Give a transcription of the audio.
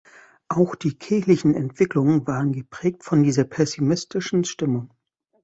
Auch die kirchlichen Entwicklungen waren geprägt von dieser pessimistischen Stimmung.